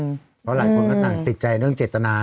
เพราะหลายคนก็ต่างติดใจเรื่องเจตนา